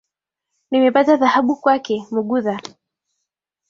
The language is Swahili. Nimepata dhahabu kwake Mugudha